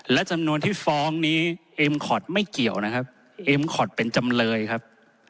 และจำนวนที่ฟ้องนี้เอ็มคอร์ดไม่เกี่ยวนะครับเอ็มคอร์ดเป็นจำเลยครับ